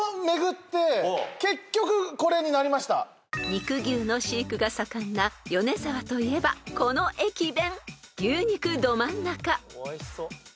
［肉牛の飼育が盛んな米沢といえばこの駅弁］